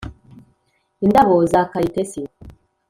indabo za kayitesi